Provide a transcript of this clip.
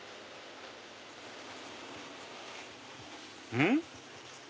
うん？